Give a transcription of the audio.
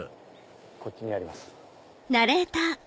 こっちにあります。